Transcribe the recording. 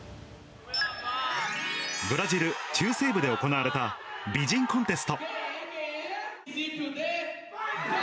ブラジル中西部で行われた美人コンテスト。